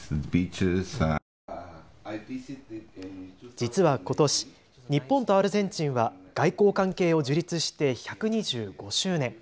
実はことし、日本とアルゼンチンは外交関係を樹立して１２５周年。